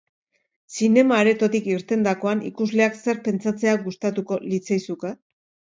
Zinema aretotik irtendakoan, ikusleak zer pentsatzea gustatuko litzaizuke?